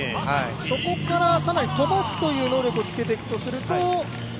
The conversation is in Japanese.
そこから更に飛ばすという能力をつけていくとすると？